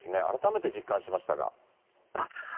改めて実感しましたが。